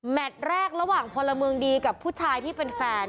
แรกระหว่างพลเมืองดีกับผู้ชายที่เป็นแฟน